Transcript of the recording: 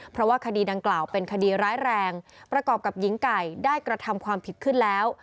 เพราะว่าคดีดังกล่าวเป็นคดีร้ายแรงประกอบกับหญิงไก่ได้กระทำความผิดขึ้นแล้ว